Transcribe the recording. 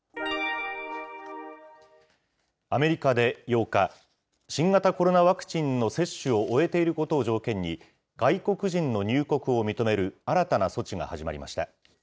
アメリカで８日、新型コロナワクチンの接種を終えていることを条件に、外国人の入国を認める新たな措置が始まりました。